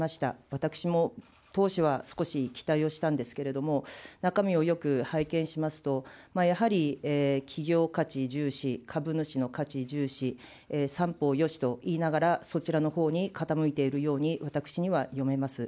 私も当初は少し期待をしたんですけれども、中身をよく拝見しますと、やはり企業価値重視、株主の価値重視、三方よしと言いながら、そちらのほうに傾いているように私には思えます。